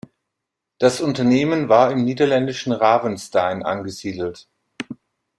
Das Unternehmen war im niederländischen Ravenstein angesiedelt.